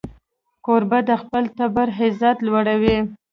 کوربه د خپل ټبر عزت لوړوي.